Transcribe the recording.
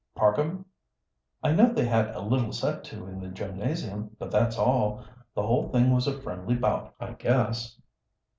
"Parkham?" "I know they had a little set to in the gymnasium, but that's all. The whole thing was a friendly bout, I guess."